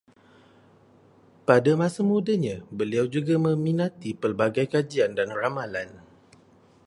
Pada masa mudanya, beliau juga meminati pelbagai kajian dan ramalan